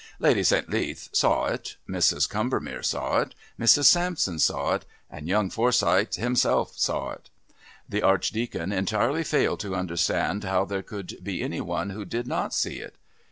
Lady St. Leath saw it, Mrs. Combermere saw it, Mrs. Sampson saw it, and young Forsyth himself saw it. The Archdeacon entirely failed to understand how there could be any one who did not see it.